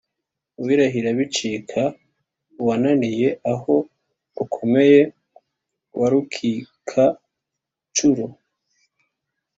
Uwirahira bicika uwananiye aho rukomeye wa Rukikanshuro